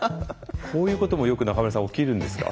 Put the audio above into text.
こういうこともよく中村さん起きるんですか？